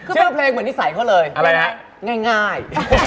ใช่คือเพลงเหมือนนิสัยเขาเลยอะไรนะง่ายง่าย